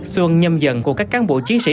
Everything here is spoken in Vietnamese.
xuân nhâm dần của các cán bộ chiến sĩ